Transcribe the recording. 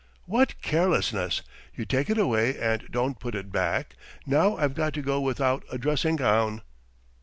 "What carelessness! You take it away and don't put it back now I've to go without a dressing gown!"